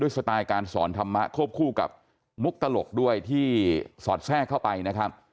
สไตล์การสอนธรรมะควบคู่กับมุกตลกด้วยที่สอดแทรกเข้าไปนะครับ